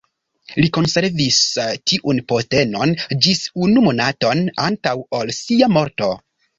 Li konservis tiun postenon ĝis unu monaton antaŭ ol sia morto.